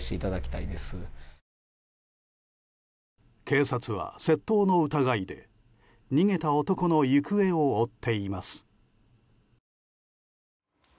警察は窃盗の疑いで逃げた男の行方を追っています。